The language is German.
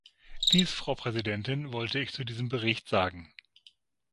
Dies, Frau Präsidentin, wollte ich zu diesem Bericht sagen.